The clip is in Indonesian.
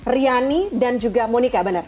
riani dan juga monika benar